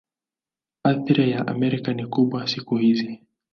Athira ya Amerika ni kubwa siku hizi.